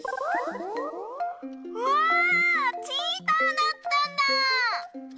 わあチーターだったんだ！